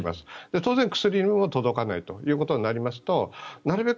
当然、薬も届かないということになりますとなるべく